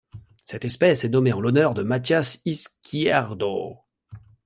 Cette espèce est nommée en l'honneur de Matias Izquierdo.